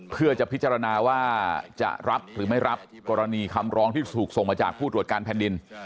เพื่อจะพิจารณาว่าจะรับหรือไม่รับกรณีคำร้องที่ถูกส่งมาจากผู้ตรวจการแผ่นดิน